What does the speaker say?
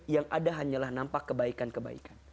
yang ada hanyalah nampak kebaikan kebaikan